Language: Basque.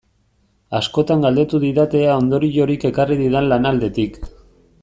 Askotan galdetu didate ea ondoriorik ekarri didan lan aldetik.